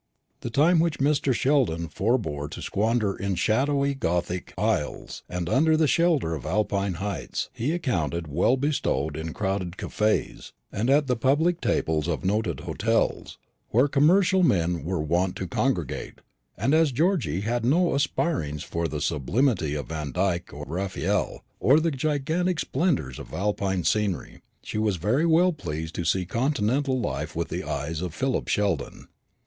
The time which Mr. Sheldon forbore to squander in shadowy gothic aisles and under the shelter of Alpine heights, he accounted well bestowed in crowded cafés, and at the public tables of noted hotels, where commercial men were wont to congregate; and as Georgy had no aspirings for the sublimity of Vandyke and Raphael, or the gigantic splendours of Alpine scenery, she was very well pleased to see continental life with the eyes of Philip Sheldon.